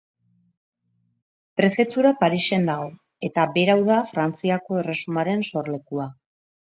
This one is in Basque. Prefetura Parisen dago eta berau da Frantziako Erresumaren sorlekua.